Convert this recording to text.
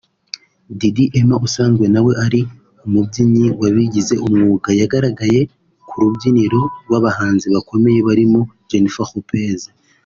Diddi Emah usanzwe nawe ari umubyinnyi wabigize umwuga yagaragaye ku rubyiniro rw’abahanzi bakomeye barimo Jennifer Lopez